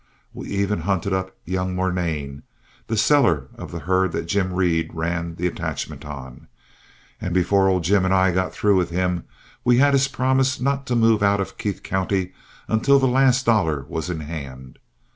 We even hunted up young Murnane, the seller of the herd that Jim Reed ran the attachment on; and before old Jim and I got through with him, we had his promise not to move out of Keith County until the last dollar was in hand.